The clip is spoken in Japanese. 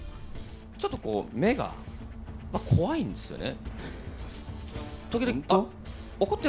ちょっとこう、目が怖いんでよね。